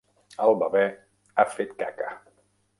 El bebè ha fet caca.